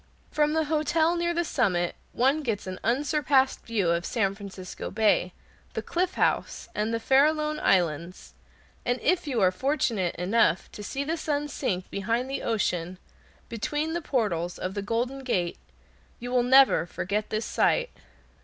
From the hotel near the summit one gets an unsurpassed view of San Francisco Bay, the Cliff House, and the Farallone Islands; and if you are fortunate enough to see the sun sink behind the ocean, between the portals of the Golden Gate, you will never forget the sight.